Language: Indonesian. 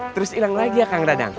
terus hilang lagi ya kang dadang